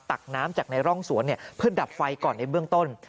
ตักน้ำจากในร่องสวนเพื่อดับไฟก่อนในเบื้องต้น